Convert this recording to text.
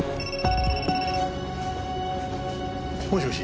もしもし？